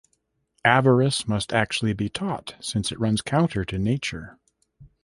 Avarice must actually be taught since it runs counter to nature.